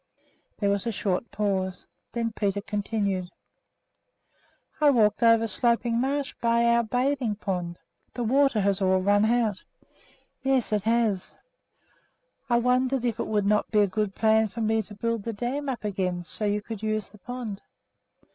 There was a short pause. Then Peter continued: "I walked over Sloping Marsh, by our bathing pond. The water has all run out." "Yes, it has." "I wondered if it would not be a good plan for me to build the dam up again, so that you could use the pond."